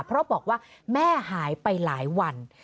เพราะบอกว่าแม่หายไปหลายวัน